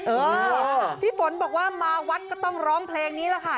เออพี่ฝนบอกว่ามาวัดก็ต้องร้องเพลงนี้แหละค่ะ